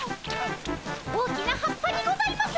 大きな葉っぱにございます。